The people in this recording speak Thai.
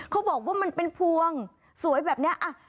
เขาบอกว่ามันเป็นพวงสวยแบบนี้